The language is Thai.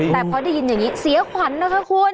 แต่พอได้ยินอย่างนี้เสียขวัญนะคะคุณ